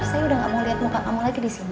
saya udah gak mau lihat muka kamu lagi disini